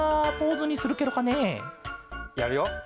やるよ。